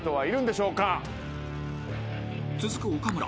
［続く岡村］